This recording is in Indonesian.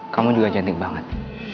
kamu juga cantik banget